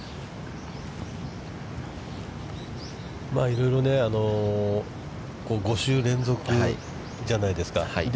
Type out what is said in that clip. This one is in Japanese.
いろいろね、５週連続じゃないですか。